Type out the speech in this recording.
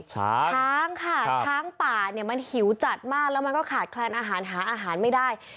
ช้างช้างค่ะช้างป่าเนี่ยมันหิวจัดมากแล้วมันก็ขาดแคลนอาหารหาอาหารไม่ได้